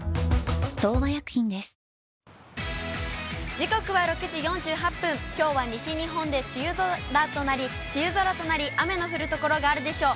時刻は６時４８分、きょうは西日本で梅雨空となり、雨が降る所があるでしょう。